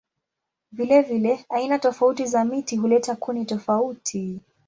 Vilevile aina tofauti za miti huleta kuni tofauti.